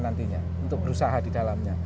nantinya untuk berusaha di dalamnya